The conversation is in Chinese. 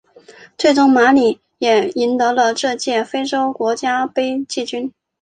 最终马里也赢得了这届非洲国家杯季军。